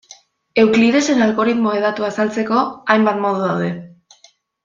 Euklidesen algoritmo hedatua azaltzeko, hainbat modu daude.